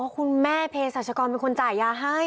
คุณแม่เพศรัชกรเป็นคนจ่ายยาให้